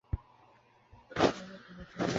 তিনি এক বিশিষ্ট ব্যক্তি হয়ে ওঠেন।